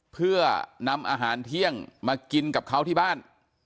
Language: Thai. เพื่อนำอาหารเที่ยงมากินกับเขาที่บ้าน